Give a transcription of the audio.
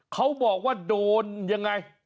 เขาบอกว่าโดนยังไง